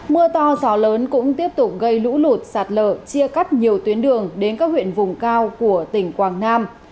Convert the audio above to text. mưa to gió lớn cũng tiếp tục gây lũ lụt sạt lở chia cắt nhiều tuyến đường đến các huyện vùng cao của tỉnh quảng nam